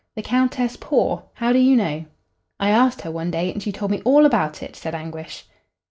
"The Countess poor? How do you know?' "I asked her one day and she told me all about it," said Anguish.